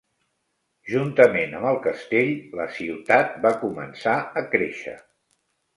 Juntament amb el castell, la ciutat va començar a créixer.